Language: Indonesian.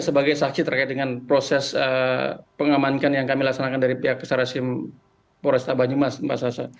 sebagai saksi terkait dengan proses pengamankan yang kami laksanakan dari pihak sarasim poresta banyumas mbak sasa